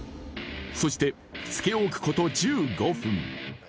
そして、つけ置くこと１５分。